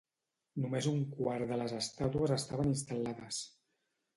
Només un quart de les estàtues estaven instal·lades.